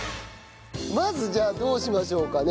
まずじゃあどうしましょうかね。